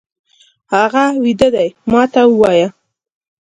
هغه ويده دی، ما ته ووايه!